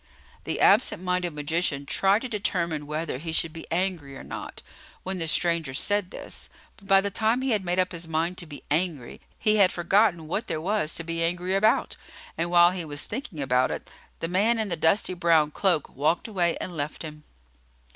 The absent minded magician tried to determine whether he should be angry or not, when the stranger said this; but, by the time he had made up his mind to be angry, he had forgotten what there was to be angry about, and while he was thinking about it, the man in the dusty brown cloak walked away and left him.